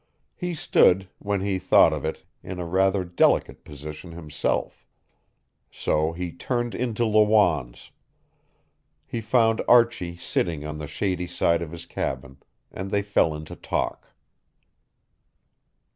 He stood, when he thought of it, in rather a delicate position himself. So he turned into Lawanne's. He found Archie sitting on the shady side of his cabin, and they fell into talk.